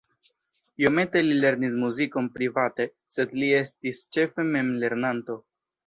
Iomete li lernis muzikon private, sed li estis ĉefe memlernanto.